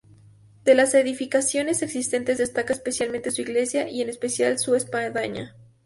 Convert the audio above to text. De las edificaciones existentes, destaca especialmente su iglesia y en especial su espadaña.